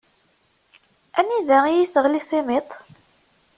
Anida iyi-teɣli timiṭ?